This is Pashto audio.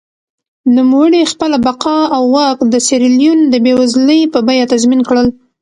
نوموړي خپله بقا او واک د سیریلیون د بېوزلۍ په بیه تضمین کړل.